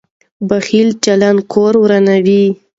بخیل چلند کور ورانوي.